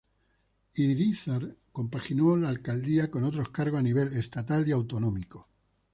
Irízar compaginó la alcaldía con otros cargos a nivel estatal y autonómico.